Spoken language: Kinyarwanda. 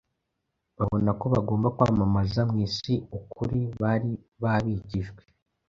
babona ko bagomba kwamamaza mu isi ukuri bari babikijwe.